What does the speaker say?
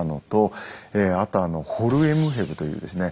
あとあのホルエムヘブというですね